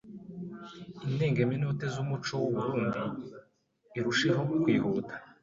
indengemenote z’umuco w’u Burunndi irusheho kwihute